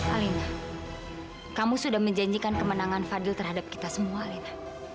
alena kamu sudah menjanjikan kemenangan fadhil terhadap kita semua alena